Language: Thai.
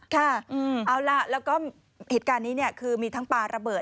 ค่ะเอาล่ะแล้วก็เหตุการณ์นี้เนี่ยคือมีทั้งปลาระเบิด